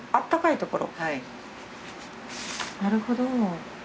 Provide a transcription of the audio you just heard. なるほど。